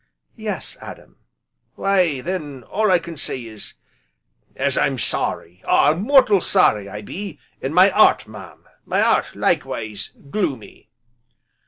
"Yes, Adam." "Why then all I can say is as I'm sorry, ah! mortal sorry I be, an' my 'eart, mam, my 'eart likewise gloomy."